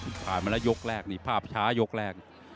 ก็ตลอดแล้วยกแรกภาพช้ายกแรก